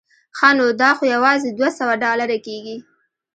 ښه نو دا خو یوازې دوه سوه ډالره کېږي.